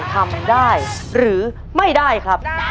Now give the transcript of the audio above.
ทำได้หรือไม่ได้ครับ